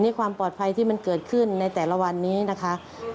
นี่ความปลอดภัยที่มันเกิดขึ้นในแต่ละวันนี้นะคะ